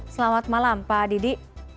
selamat malam pak didi